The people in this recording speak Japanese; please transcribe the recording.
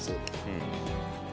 うん。